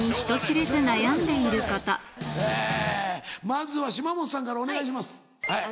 まずは島本さんからお願いします。